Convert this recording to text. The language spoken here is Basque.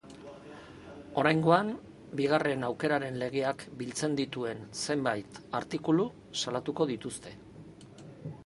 Oraingoan, bigarren aukeraren legeak biltzen dituen zenbait artikulu salatuko dituzte.